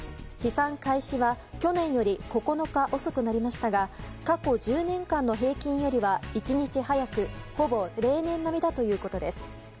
飛散開始は去年より９日遅くなりましたが過去１０年間の平均よりは１日早くほぼ例年並みだということです。